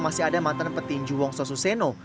ada mantan petinju wong sosuseno